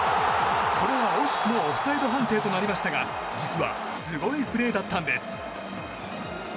これは惜しくもオフサイド判定となりましたが実はすごいプレーだったんです。